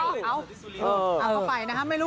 ช่วยเจนช่วยเจน